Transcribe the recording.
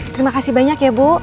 terima kasih banyak ya bu